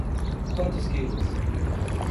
Quantos quilos?